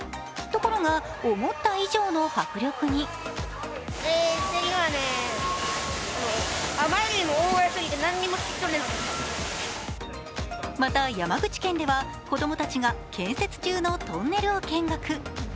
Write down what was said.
ところが、思った以上の迫力にまた、山口県では子供たちが建設中のトンネルを見学。